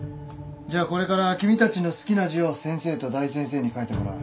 じゃあこれから君たちの好きな字を先生と大先生に書いてもらう。